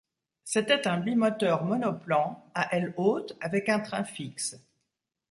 C'était un bimoteur monoplan à aile haute avec un train fixe.